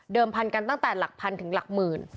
พันกันตั้งแต่หลักพันถึงหลักหมื่น